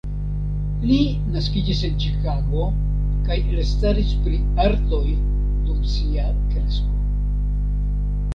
Li naskiĝis en Ĉikago kaj elstaris pri artoj, dum sia kresko.